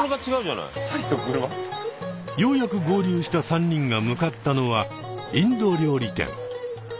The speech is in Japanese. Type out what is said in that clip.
ようやく合流した３人が向かったのはインド料理店。